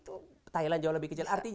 artinya thailand yang lebih kecil dari phuket